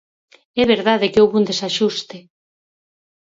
É verdade que houbo un desaxuste.